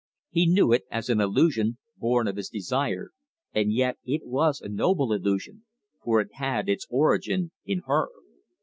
He knew it as an illusion, born of his desire, and yet it was a noble illusion, for it had its origin in her.